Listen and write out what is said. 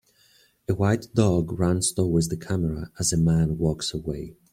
A white dog runs towards the camera as a man walks away.